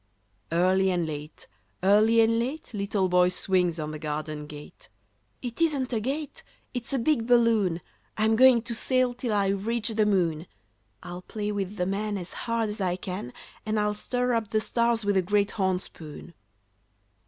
Early and late, early and late, Little Boy swings on the garden gate. "It isn't a gate; it's a big balloon! I'm going to sail till I reach the moon. I'll play with the Man as hard as I can, And I'll stir up the stars with a great horn spoon."